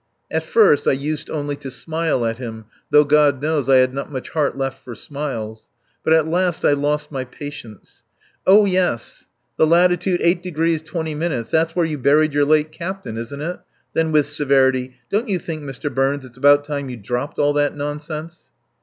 At first I used only to smile at him, though, God knows, I had not much heart left for smiles. But at last I lost my patience. "Oh, yes. The latitude 8 d 20'. That's where you buried your late captain, isn't it?" Then with severity: "Don't you think, Mr. Burns, it's about time you dropped all that nonsense?"